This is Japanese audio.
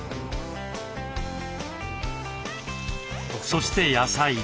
そして野菜。